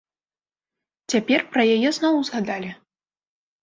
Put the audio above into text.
Цяпер пра яе зноў узгадалі.